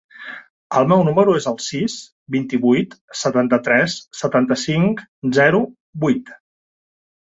El meu número es el sis, vint-i-vuit, setanta-tres, setanta-cinc, zero, vuit.